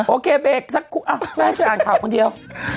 โอเคเบรกสักครู่แม่ฉันอ่านข่าวคนเดียว